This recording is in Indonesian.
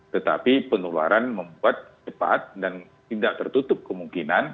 tetapi penularan membuat cepat dan tidak tertutup kemungkinan